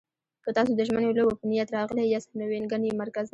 که تاسو د ژمنیو لوبو په نیت راغلي یاست، نو وینګن یې مرکز دی.